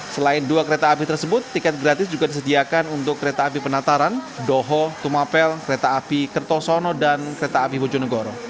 selain dua kereta api tersebut tiket gratis juga disediakan untuk kereta api penataran doho tumapel kereta api kertosono dan kereta api bojonegoro